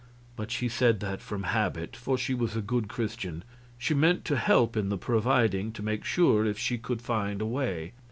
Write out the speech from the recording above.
But she said that from habit, for she was a good Christian. She meant to help in the providing, to make sure, if she could find a way.